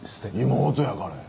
妹やからや。